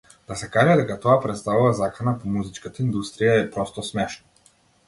Да се каже дека тоа претставува закана по музичката индустрија е просто смешно.